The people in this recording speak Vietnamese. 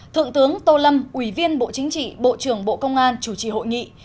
thượng tướng tô lâm ủy viên bộ chính trị bộ trưởng bộ công an chủ trì hội nghị